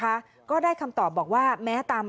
คุณสิริกัญญาบอกว่า๖๔เสียง